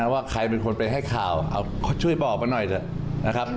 ว่าใครเป็นคนไปให้ข่าวช่วยบอกมาหน่อยเถอะนะครับ